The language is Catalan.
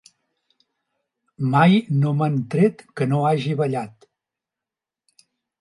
Mai no m'han tret que no hagi ballat.